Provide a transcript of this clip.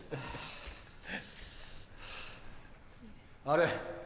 あれ？